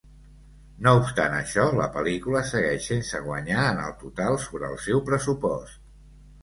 No obstant això, la pel·lícula segueix sense guanyar en el total sobre el seu pressupost.